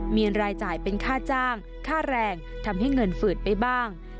มีรายจ่ายเป็นค่าจ้างค่าแรงทำให้เงินฝืดไปบ้าง